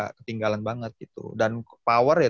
ketinggalan banget gitu dan power ya